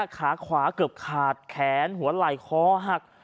ขาขวาเกือบขาดแขนหัวไหล่คอหัก